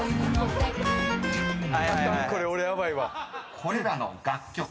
［これらの楽曲